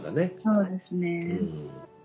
そうですね。